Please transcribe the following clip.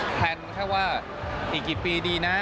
แพลนแค่ว่าอีกกี่ปีดีนะ